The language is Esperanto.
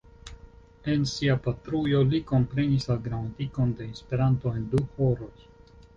En sia patrujo li komprenis la gramatikon de Esperanto en du horoj.